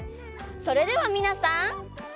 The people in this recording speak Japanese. それではみなさん。